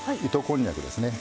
こんにゃくですね